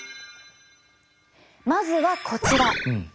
まずはこちら。